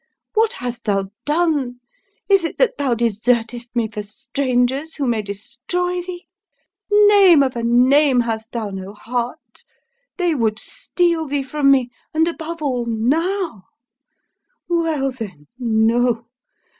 "What hast thou done? Is it that thou desertest me for strangers, who may destroy thee? Name of a name, hast thou no heart? They would steal thee from me and above all, now! Well then, no!